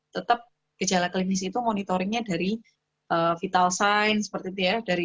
tetap gejala klinis itu monitoringnya dari vital signs seperti itu ya dari laboratorium